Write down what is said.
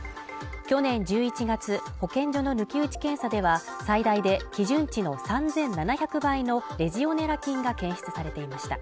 去年１１月、保健所の抜き打ち検査では最大で基準値の３７００倍のレジオネラ菌が検出されていました。